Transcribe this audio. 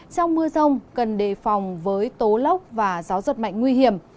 trong mưa rông cần đề phòng với tố lốc và gió giật mạnh nguy hiểm